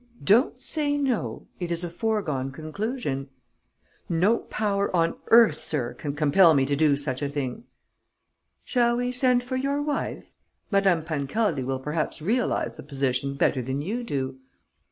"Don't say no. It's a foregone conclusion." "No power on earth, sir, can compel me to do such a thing!" "Shall we send for your wife? Madame Pancaldi will perhaps realize the position better than you do."